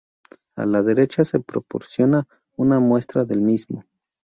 A la derecha se proporciona una muestra del mismo.